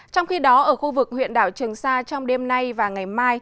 trong khi đó ở khu vực huyện đảo trường sa trong đêm nay và ngày mai